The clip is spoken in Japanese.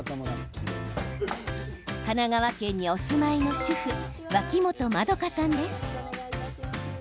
神奈川県にお住まいの主婦脇本円さんです。